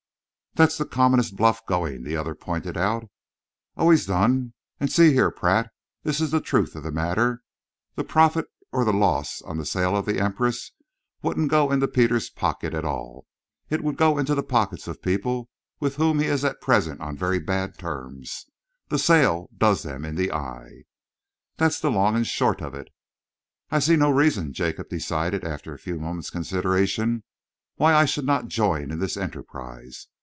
"That's the commonest bluff going," the other pointed out. "Always done. And see here, Pratt, this is the truth of the matter. The profit or the loss on the sale of the 'Empress' wouldn't go into Peter's pocket at all. It would go into the pockets of people with whom he is at present on very bad terms. This sale does them in the eye. That's the long and short of it." "I see no reason," Jacob decided, after a few moments' consideration, "why I should not join in this enterprise.